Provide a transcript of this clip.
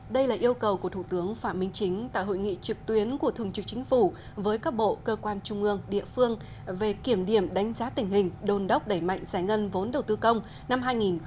đây là yêu cầu của thủ tướng phạm minh chính tại hội nghị trực tuyến của thường trực chính phủ với các bộ cơ quan trung ương địa phương về kiểm điểm đánh giá tình hình đôn đốc đẩy mạnh giải ngân vốn đầu tư công năm hai nghìn hai mươi